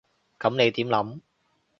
噉你點諗？